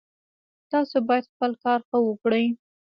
تاسو باید خپل کار ښه وکړئ